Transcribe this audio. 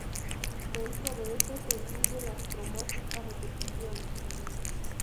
Dentro de este se incluye las trombosis a repetición.